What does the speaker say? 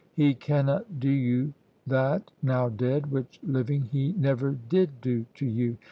He cannot do you that, now dead, which living he never did do to you!